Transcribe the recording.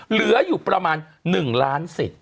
เหลืออยู่ประมาณ๑ล้านสิทธิ์